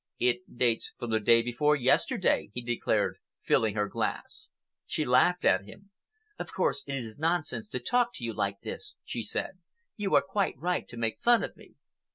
"It dates from the day before yesterday," he declared, filling her glass. She laughed at him. "Of course, it is nonsense to talk to you like this!" she said. "You are quite right to make fun of me."